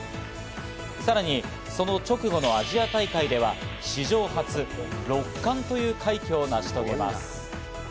さらにその直後のアジア大会では史上初６冠という快挙を成し遂げます。